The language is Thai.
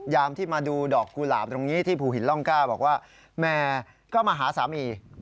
ที่มาดูดอกกุหลาบตรงนี้ที่ภูหินร่องกล้าบอกว่าแม่ก็มาหาสามี